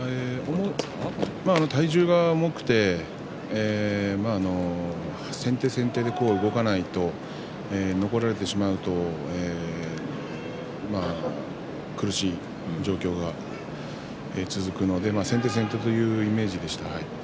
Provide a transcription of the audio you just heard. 体重が重くて先手先手で動かないと残られてしまうと苦しい状況が続くので先手先手というイメージでした。